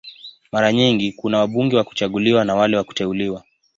Mara nyingi kuna wabunge wa kuchaguliwa na wale wa kuteuliwa.